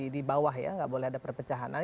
di bawah ya nggak boleh ada perpecahan